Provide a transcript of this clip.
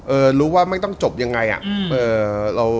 รู้ว่าไม่ต้องจบยังไงอ่ะ